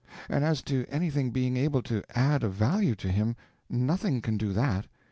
And as to anything being able to add a value to him, nothing can do that.